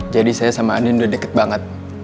jadi saya sama andin udah deket banget